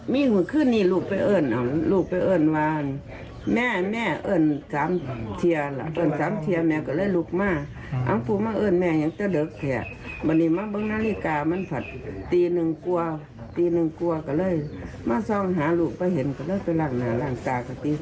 ตอนนั้นแม่ยุวัตรล่ะแม่นอนแล้วเสียงลูกล่ะ